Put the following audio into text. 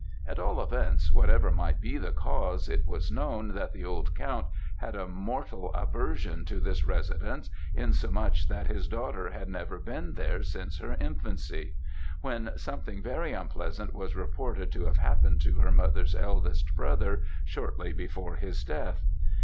At all events, whatever might be the cause, it was known that the old count had a mortal aversion to this residence, insomuch, that his daughter had never been there since her infancy; when something very unpleasant was reported to have happened to her mother's eldest brother shortly before his death.